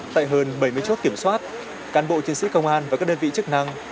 tại hơn bảy mươi chốt kiểm soát cán bộ chiến sĩ công an và các đơn vị chức năng